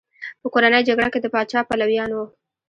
په کورنۍ جګړه کې د پاچا پلویان وو.